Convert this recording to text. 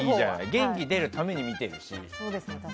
元気出るために見てるし。